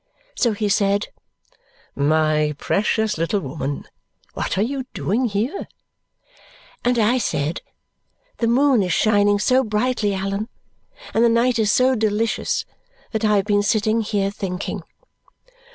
So he said, "My precious little woman, what are you doing here?" And I said, "The moon is shining so brightly, Allan, and the night is so delicious, that I have been sitting here thinking."